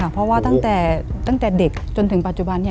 เพราะว่าตั้งแต่เด็กจนถึงปัจจุบัน